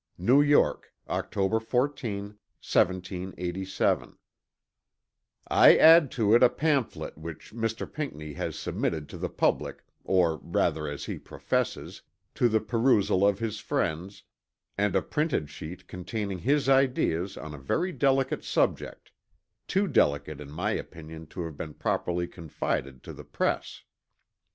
NEW YORK, Octr. 14, 1787. "I add to it a pamphlet which Mr. Pinckney has submitted to the public, or rather as he professes, to the perusal of his friends, and a printed sheet containing his ideas on a very delicate subject, too delicate in my opinion to have been properly confided to the press.